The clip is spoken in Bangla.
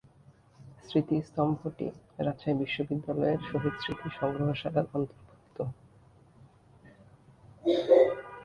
স্মৃতিস্তম্ভটি রাজশাহী বিশ্ববিদ্যালয়ের শহীদ স্মৃতি সংগ্রহশালার অন্তর্ভুক্ত।